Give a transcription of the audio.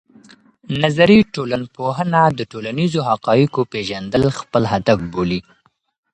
نظري ټولنپوهنه د ټولنیزو حقایقو پېژندل خپل هدف بولي.